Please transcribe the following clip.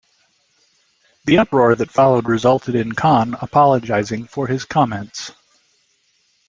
The uproar that followed resulted in Kahne apologizing for his comments.